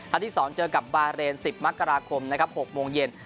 ทัศน์ที่๒เจอกับบาเรน๑๐มค๖โมงเย็น